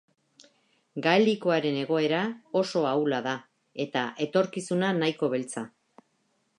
Gaelikoaren egoera oso ahula da, eta etorkizuna nahiko beltza.